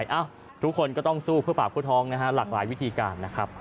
ทุกคนก็ต้องสู้เพื่อปากเพื่อท้องนะฮะหลากหลายวิธีการนะครับ